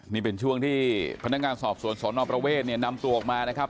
นี่เป็นช่วงที่พนักงานสอบสวนสนประเวทเนี่ยนำตัวออกมานะครับ